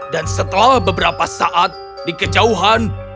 dan setelah beberapa saat di kejauhan